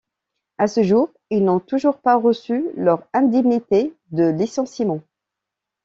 À ce jour, ils n'ont toujours pas reçu leur indemnités de licenciement.